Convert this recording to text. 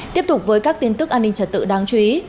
tiếp tục với các tin tức an ninh trật tự đáng chú ý